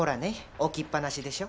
置きっ放しでしょ。